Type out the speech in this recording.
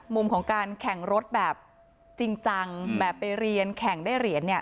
มุมของการแข่งรถแบบจริงจังแบบไปเรียนแข่งได้เหรียญเนี่ย